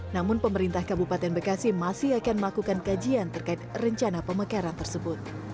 namun pemerintah kabupaten bekasi masih akan melakukan kajian terkait rencana pemekaran tersebut